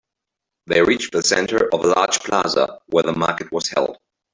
They reached the center of a large plaza where the market was held.